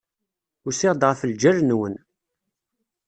Usiɣ-d ɣef ljal-nwen.